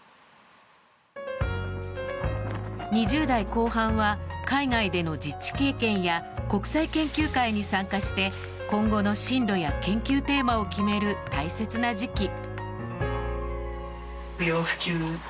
２０代後半は海外での実地経験や国際研究会に参加して今後の進路や研究テーマを決める大切な時期。